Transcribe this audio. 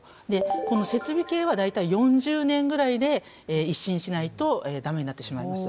この設備系は大体４０年ぐらいで一新しないと駄目になってしまいます。